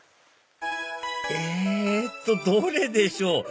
えっとどれでしょう？